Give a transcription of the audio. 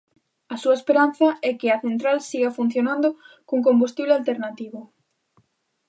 A súa esperanza é que a central siga funcionando cun combustible alternativo.